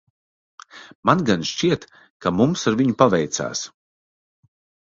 Man gan šķiet, ka mums ar viņu paveicās.